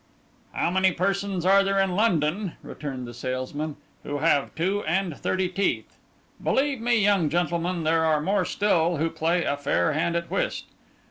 'How many persons are there in London,' returned the salesman, 'who have two and thirty teeth? Believe me, young gentleman, there are more still who play a fair hand at whist.